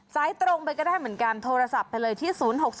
ซ้ายตรงไปก็ได้เหมือนกันโทรศัพท์ไปเลยที่๐๖๒๘๙๒๘๕๕๙